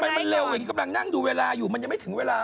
มันเร็วอย่างนี้กำลังนั่งดูเวลาอยู่มันยังไม่ถึงเวลา